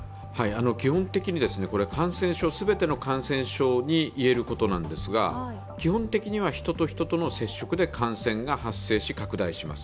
基本的に全ての感染症に言えることなんですが、基本的には人と人との接触で感染が発生し、拡大します。